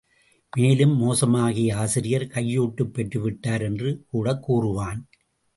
மேலும் மோசமாகி ஆசிரியர், கையூட்டுப் பெற்று விட்டார் என்று கூடக் கூறுவான்.